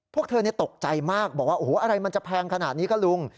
พวกเธอตกใจมากบอกว่าโอ้โหอะไรมันจะแพงขนาดนี้ก็ลุง